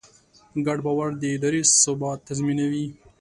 ګډ باور د ادارې ثبات تضمینوي.